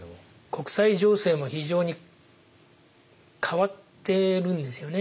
国際情勢も非常に変わってるんですよね。